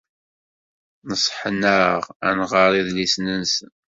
Neṣṣḥen-aɣ ad nɣer idlisen-nsen.